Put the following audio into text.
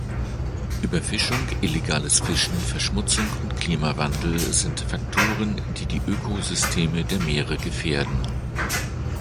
Überfischung, illegales Fischen, Verschmutzung und Klimawandel sind Faktoren, die die Ökosysteme der Meere gefährden.